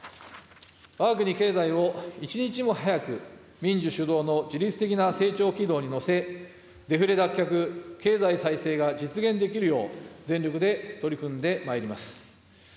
わが国経済を一日も早く民需主導の自律的な成長軌道に乗せ、デフレ脱却、経済再生が実現できるよう、全力で取り組んでまいります。